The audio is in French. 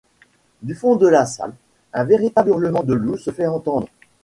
Du fond de la salle, un véritable hurlement de loup se fait entendre.